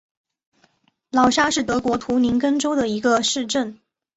劳沙是德国图林根州的一个市镇。